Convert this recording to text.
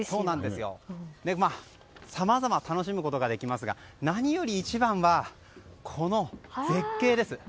さまざまに楽しむことができますが、何よりも一番はこの絶景です。